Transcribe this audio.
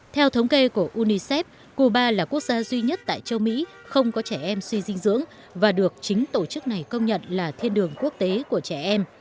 theo thống kê của unicef cuba là quốc gia duy nhất tại châu mỹ không có trẻ em suy dinh dưỡng và được chính tổ chức này công nhận là thiên đường quốc tế của trẻ em